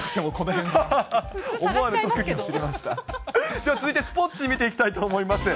では続いてスポーツ紙見ていきたいと思います。